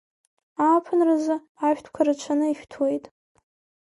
Ааԥынразы ашәҭқәа рацәаны ишәҭуеит.